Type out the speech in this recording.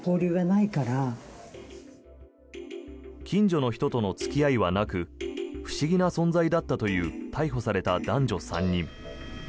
近所の人との付き合いはなく不思議な存在だったという逮捕された男女３人。